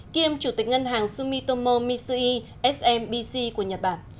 kiêm chủ tịch ngân hàng sumitomo mise smbc của nhật bản